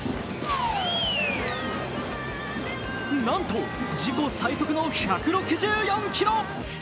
なんと自己最速の１６４キロ。